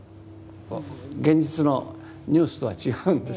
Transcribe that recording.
現実のニュースとは違うんです。